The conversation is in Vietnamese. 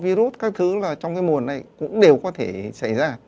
virus các thứ trong mùa này cũng đều có thể xảy ra